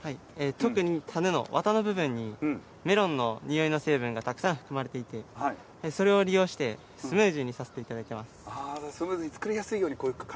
特に、種のワタの部分にメロンのにおいの成分がたくさん含まれていてそれを利用して、スムージーにさせていただいてます。